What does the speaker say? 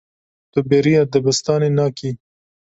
Tu bêriya dibistanê nakî.